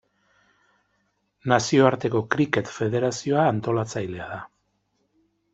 Nazioarteko Kriket Federazioa antolatzailea da.